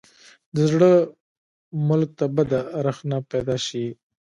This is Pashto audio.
د زړه ملک ته بده رخنه پیدا شي.